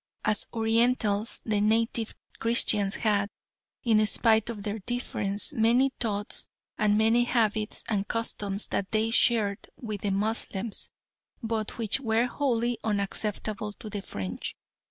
As Orientals the native Christians had, in spite of their differences, many thoughts and many habits and customs that they shared with the Moslems, but which were wholly unacceptable to the French.